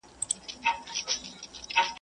تر ورخ تېري اوبه بيرته نه را گرځي.